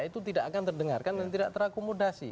itu tidak akan terdengarkan dan tidak terakomodasi